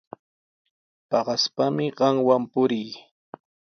Paqaspami qamwan purii.